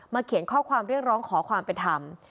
มาเขียนข้อความเรื่องร้องขอความไปทำ